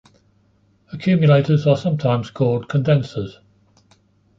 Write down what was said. Accumulators are sometimes called condensers.